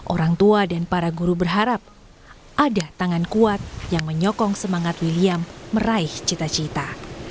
orang tua dan para guru berharap ada tangan kuat yang menyokong semangat william meraih cita cita